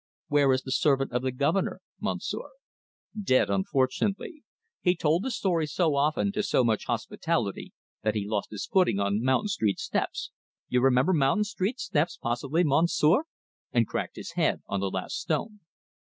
"Where is the servant of the Governor, Monsieur?" "Dead, unfortunately. He told the story so often, to so much hospitality, that he lost his footing on Mountain Street steps you remember Mountain Street steps possibly, Monsieur? and cracked his head on the last stone."